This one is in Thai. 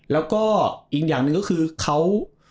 แล้วก็อีกอย่างหนึ่งก็คือเขา